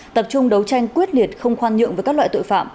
tập trung đấu tranh quyết liệt không khoan nhượng với các loại tội phạm